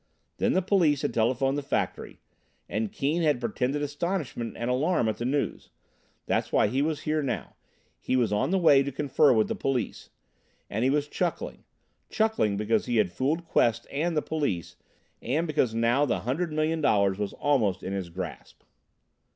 Then the police had telephoned the factory, and Keane had pretended astonishment and alarm at the news. That's why he was here now he was on the way to confer with the police. And he was chuckling chuckling because he had fooled Quest and the police, and because now the hundred million dollars was almost in his grasp.